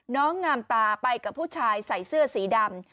งามตาไปกับผู้ชายใส่เสื้อสีดำ